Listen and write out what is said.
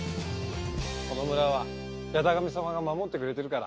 この村は八咫神様が守ってくれてるから。